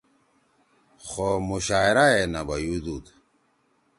خو مشاعرا ئے نہ بیُودُود